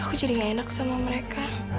aku jadi gak enak sama mereka